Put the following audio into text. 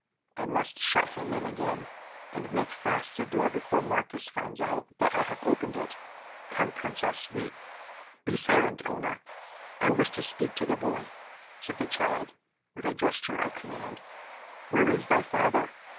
"I must shut him in again, and make fast the door before Marcus finds out that I have opened it. Come, princess, we—" "Be silent, Oonah, I wish to speak to the boy," said the child with a gesture of command. "Where is thy father?"